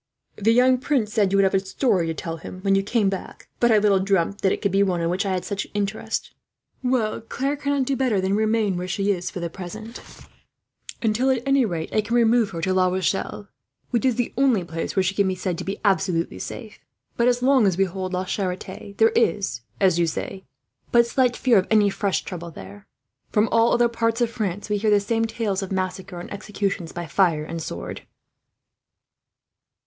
"The young prince said you would have a story to tell him, when you came back; but I little dreamt that it would be one in which I had such interest. "Well, Claire cannot do better than remain where she is, for the present; until, at any rate, I can remove her to La Rochelle, which is the only place where she can be said to be absolutely safe; but so long as we hold La Charite there is, as you say, but slight fear of any fresh trouble there. From all other parts of France, we hear the same tales of cruel massacre and executions, by fire and sword."